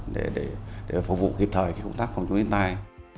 để phục vụ kịp thời công tác phòng chống thiên tai